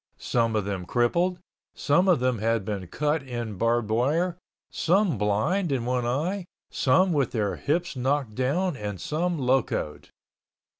Some of them crippled, some of them had been cut in barbed wire, some blind in one eye, some with their hips knocked down and some locoed.